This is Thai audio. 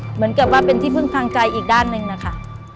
เหมือนกับว่าเป็นที่พึ่งทางใจอีกด้านหนึ่งนะคะ